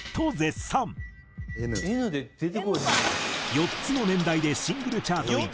４つの年代でシングルチャート１位を獲得。